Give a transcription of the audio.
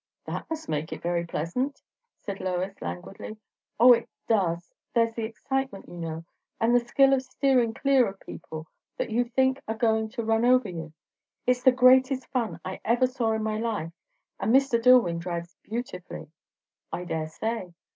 "That must make it very pleasant!" said Lois languidly. "O, it does! There's the excitement, you know, and the skill of steering clear of people that you think are going to run over you. It's the greatest fun I ever saw in my life. And Mr. Dillwyn drives beautifully." "I dare say."